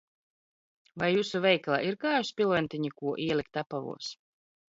Vai jūsu veikalā ir kāju spilventiņi, ko ielikt apavos?